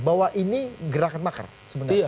bahwa ini gerakan makar sebenarnya